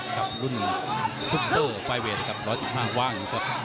กับรุ่นซุปเปอร์ไฟเวทกับ๑๑๕ว่าง